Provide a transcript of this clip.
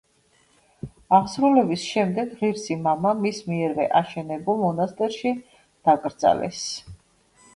აღსრულების შემდეგ ღირსი მამა მის მიერვე აშენებულ მონასტერში დაკრძალეს.